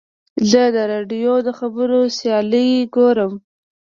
زه د راډیو د خبرو سیالۍ ګورم.